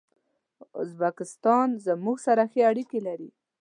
ازبکستان زموږ سره ښې اړیکي لري.